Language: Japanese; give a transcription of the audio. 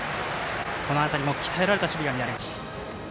この辺りも鍛えられた守備が見られました。